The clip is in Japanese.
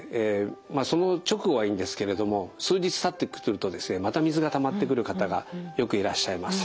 その直後はいいんですけれども数日たってくるとですねまた水がたまってくる方がよくいらっしゃいます。